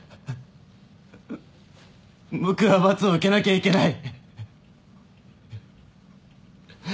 僕は罰を受けなきゃいけない。